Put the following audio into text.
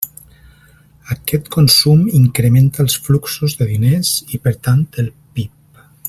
Aquest consum incrementa els fluxos de diners i, per tant, el PIB.